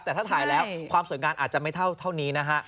แต่ถ้าถ่ายแล้วความสวยงามอาจจะไม่เท่านี้นะฮะ